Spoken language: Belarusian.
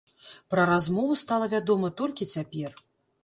Пра размову стала вядома толькі цяпер.